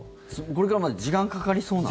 これからまだ時間かかりそうなの？